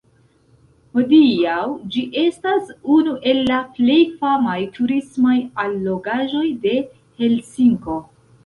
Hodiaŭ ĝi estas unu el la plej famaj turismaj allogaĵoj de Helsinko.